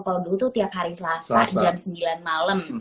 kalau dulu tuh tiap hari selasa jam sembilan malam